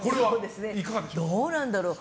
どうなんだろう。